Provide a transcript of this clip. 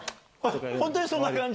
本当にそんな感じ？